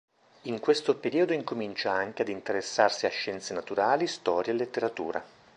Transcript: In questo periodo incomincia anche ad interessarsi a scienze naturali, storia e letteratura.